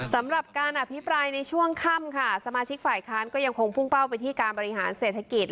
สำหรับการอภิปรายในช่วงค่ำค่ะสมาชิกฝ่ายค้านก็ยังคงพุ่งเป้าไปที่การบริหารเศรษฐกิจ